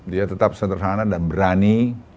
dia tetap sederhana dan berani